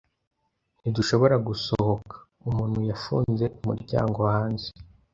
Ntidushobora gusohoka. Umuntu yafunze umuryango hanze.